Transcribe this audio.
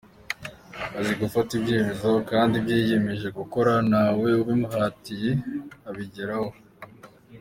Azi gufata ibyemezo, kandi ibyo yiyemeje gukora ntawe ubimuhatiye abigeraho.